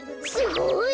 すごい！